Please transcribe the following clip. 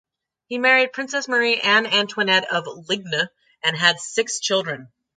He married Princess Marie Anne Antoinette of Ligne and had six children.